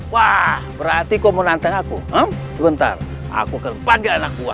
wah berarti kamu nantang aku ntar aku kepadanya anak buah